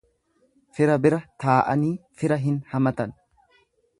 Fira bira taa'anii fira hin hamatan.